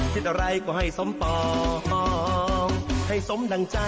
เดี๋ยวผิวใช่ไหม